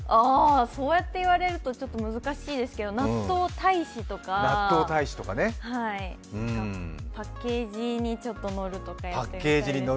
そうやって言われるとちょっと難しいですけど納豆大使とか、パッケージにちょっと載るとか。